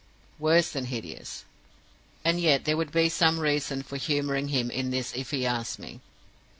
Worse than hideous! "And yet there would be some reason for humoring him in this if he asked me.